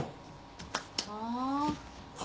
ああ。